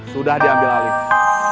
sudah diambil alih